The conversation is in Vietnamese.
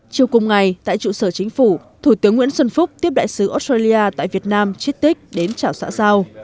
chiều cùng ngày tại trụ sở chính phủ thủ tướng nguyễn xuân phúc tiếp đại sứ australia tại việt nam chiếc tích đến chảo xã giao